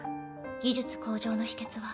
技術向上の秘訣は